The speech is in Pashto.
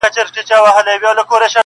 لا یې ځای نه وو معلوم د کوم وطن وو!!